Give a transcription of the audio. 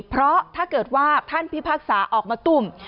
เพราะถ้าเกิดว่าท่านพิพากษาออกมาตุ้ม